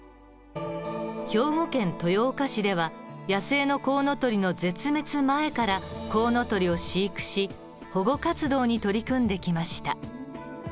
兵庫県豊岡市では野生のコウノトリの絶滅前からコウノトリを飼育し保護活動に取り組んできました。